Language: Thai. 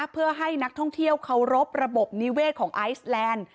เพื่อให้นักท่องเที่ยวเคารพระบบนิเวศของไอซแลนด์